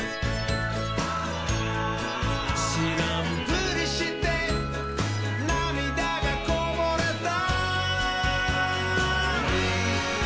「しらんぷりしてなみだがこぼれた」